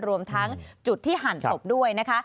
รวมทั้งจุดที่หั่นศพด้วยนะคะ